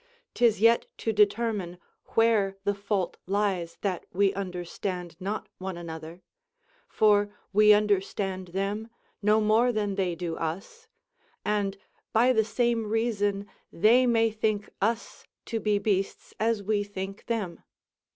'Tis yet to determine where the fault lies that we understand not one another, for we understand them no more than they do us; and by the same reason they may think us to be beasts as we think them.